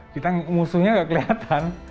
kita musuhnya nggak kelihatan